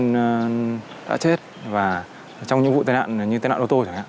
nạn nhân đã chết và trong những vụ tên nạn như tên nạn ô tô